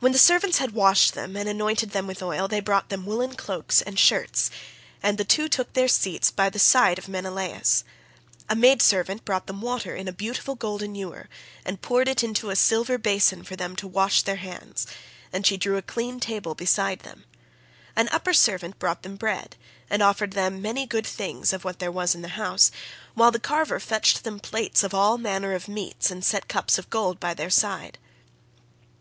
When the servants had washed them and anointed them with oil, they brought them woollen cloaks and shirts, and the two took their seats by the side of Menelaus. A maid servant brought them water in a beautiful golden ewer, and poured it into a silver basin for them to wash their hands; and she drew a clean table beside them. An upper servant brought them bread, and offered them many good things of what there was in the house, while the carver fetched them plates of all manner of meats and set cups of gold by their side.